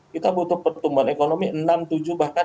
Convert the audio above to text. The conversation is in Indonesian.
kita butuh pertumbuhan ekonomi enam tujuh bahkan delapan